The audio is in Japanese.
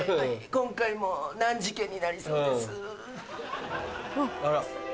今回も難事件になりそうです。